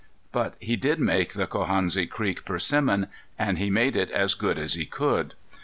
But He did make the Cohansey Creek persimmon, and He made it as good as He could.